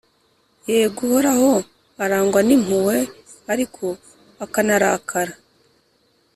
yego, Uhoraho arangwa n’impuhwe, ariko akanarakara,